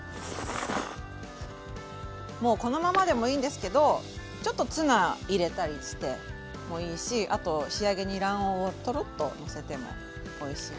もうこのままでもいいんですけどちょっとツナ入れたりしてもいいしあと仕上げに卵黄をトロッとのせてもおいしい。